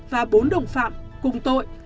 và bốn đồng phạm cùng tội